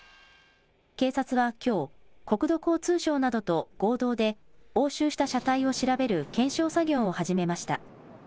警察はきょう、国土交通省などと合同で、押収した車体を調べる検証作業を始めました。